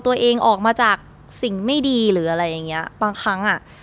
ตัวเองออกมาจากสิ่งไม่ดีหรืออะไรอย่างเงี้ยบางครั้งอ่ะ